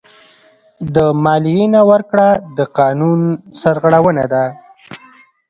د مالیې نه ورکړه د قانون سرغړونه ده.